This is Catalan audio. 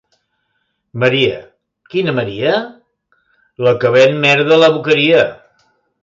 Maria. Quina Maria? —La que ven merda a la Boqueria!